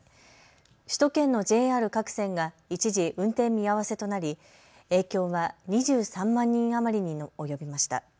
首都圏のＪＲ各線が一時運転見合わせとなり影響は２３万人余りに及びました。